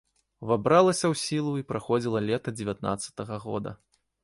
Увабралася ў сілу і праходзіла лета дзевятнаццатага года.